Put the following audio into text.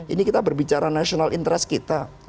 ini kita berbicara national interest kita